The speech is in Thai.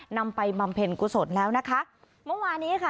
นำไปบำเพ็ญกุศลแล้วนะคะเมื่อวานี้ค่ะ